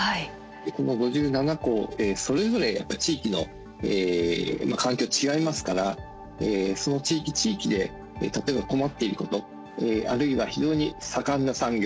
この５７校それぞれ、やっぱり地域の環境は違いますからその地域、地域で例えば、困っていることあるいは非常に盛んな産業